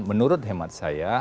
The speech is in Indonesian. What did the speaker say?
menurut hemat saya